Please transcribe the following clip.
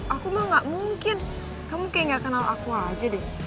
aku mah gak mungkin kamu kayak gak kenal aku aja deh